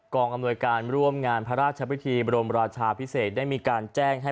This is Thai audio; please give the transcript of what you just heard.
องอำนวยการร่วมงานพระราชพิธีบรมราชาพิเศษได้มีการแจ้งให้